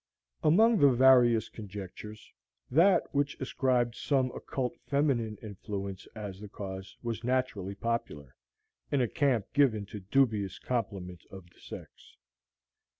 Among the various conjectures, that which ascribed some occult feminine influence as the cause was naturally popular, in a camp given to dubious compliment of the sex.